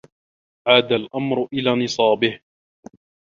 عاد الأمر إلى نصابه